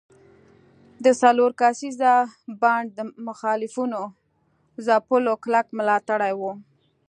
د څلور کسیز بانډ د مخالفینو ځپلو کلک ملاتړي وو.